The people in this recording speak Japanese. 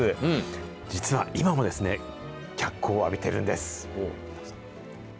実は今も脚光を浴びてるんです。